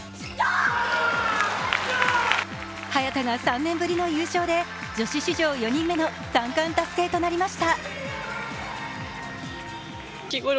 早田が３年ぶりの優勝で女子史上４人目の三冠達成となりました。